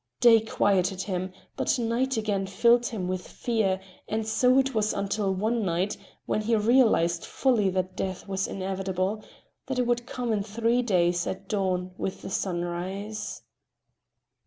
Day quieted him, but night again filled him with fear, and so it was until one night when he realized fully that death was inevitable, that it would come in three days at dawn with the sunrise.